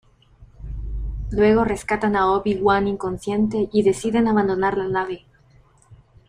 Luego rescatan a Obi-Wan inconsciente y deciden abandonar la nave.